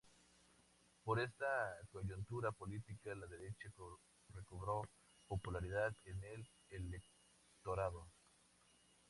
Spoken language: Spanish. Por esta coyuntura política, la derecha recobró popularidad en el electorado.